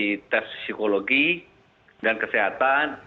di tes psikologi dan kesehatan